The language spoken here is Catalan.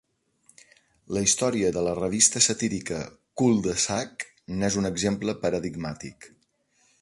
La història de la revista satírica "Cul de Sac" n'és un exemple paradigmàtic.